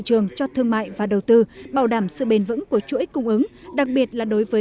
trường cho thương mại và đầu tư bảo đảm sự bền vững của chuỗi cung ứng đặc biệt là đối với